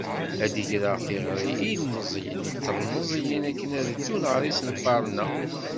Ad d-greɣ tiɣri i yilemẓiyen d tlemẓiyin akken ad d-ddun ɣer yisenfaren-a.